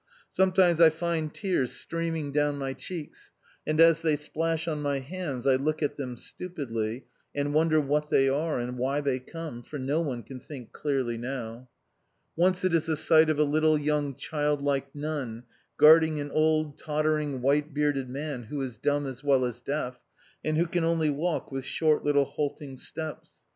Sometimes I find tears streaming down my cheeks, and as they splash on my hands I look at them stupidly, and wonder what they are, and why they come, for no one can think clearly now. Once it is the sight of a little, young, childlike nun, guarding an old, tottering, white bearded man who is dumb as well as deaf, and who can only walk with short, little, halting steps.